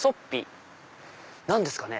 何ですかね？